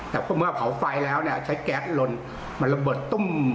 แต่เมื่อเผาไฟแล้วเนี่ยใช้แก๊สลนมันระเบิดตุ้ม